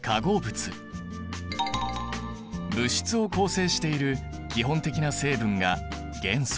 物質を構成している基本的な成分が元素。